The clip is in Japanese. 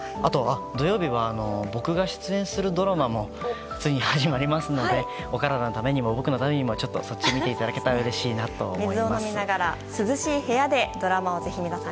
土曜日は僕が出演するドラマもついに始まりますのでお体のためにも、僕のためにもちょっとそっちを見ていただけたらうれしいです。